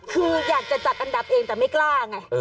คืออยากจะจัดอันดับเองแต่ไม่กล้าไง